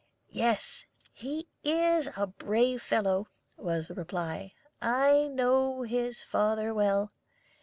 "Yes, he is a brave fellow," was the reply. "I know his father well.